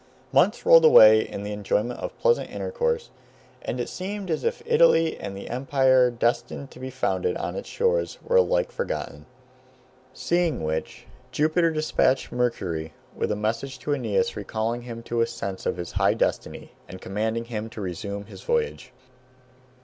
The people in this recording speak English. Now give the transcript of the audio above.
Months rolled away in the enjoyment of pleasant intercourse, and it seemed as if Italy and the empire destined to be founded on its shores were alike forgotten. Seeing which, Jupiter despatched Mercury with a message to Aeneas recalling him to a sense of his high destiny, and commanding him to resume his voyage.